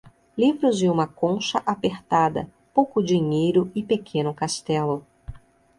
Livros e uma concha apertada, pouco dinheiro e pequeno castelo.